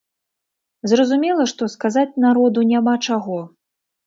Зразумела, што сказаць народу няма чаго.